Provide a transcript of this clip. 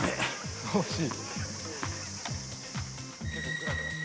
惜しい。